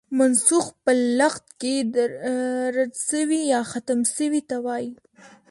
منسوخ په لغت کښي رد سوی، يا ختم سوي ته وايي.